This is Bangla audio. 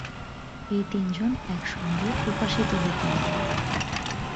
এই তিনজন একসঙ্গে উপাসিত হতেন।